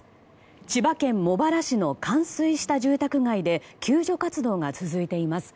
千葉県茂原市の冠水した住宅街で救助活動が続いています。